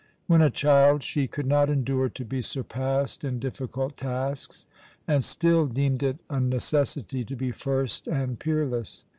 When a child, she could not endure to be surpassed in difficult tasks, and still deemed it a necessity to be first and peerless.